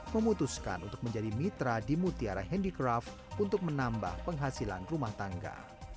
memutuskan untuk menjadi mitra di mutiara handicraft untuk menambah penghasilan rumah tangga